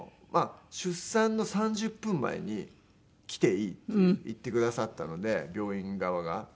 まあ出産の３０分前に来ていいって言ってくださったので病院側が。